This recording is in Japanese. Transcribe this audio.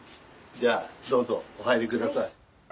じゃあどうぞお入り下さい。